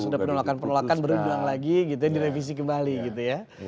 sudah penolakan penolakan baru diulang lagi gitu ya direvisi kembali gitu ya